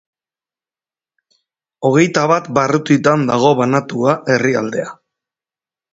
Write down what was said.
Hogeita bat barrutitan dago banatua herrialdea.